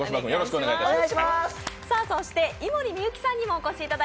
お願いします！